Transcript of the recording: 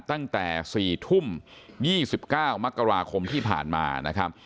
ตั้งแต่๔ทุ่ม๒๙มกราคมที่ผ่านมานะครับ